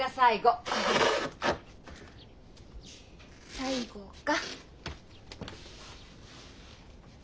「最後」か。